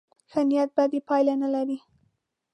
ښه نیت بدې پایلې نه لري.